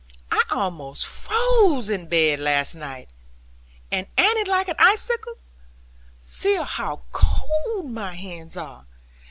I was almost frozen in bed last night; and Annie like an icicle. Feel how cold my hands are.